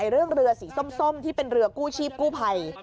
เรื่องเรือสีส้มที่เป็นเรือกู้ชีพกู้ภัย